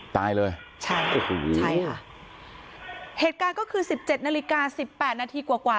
ตายเลยใช่โอ้โหใช่ค่ะเหตุการณ์ก็คือสิบเจ็ดนาฬิกาสิบแปดนาทีกว่ากว่า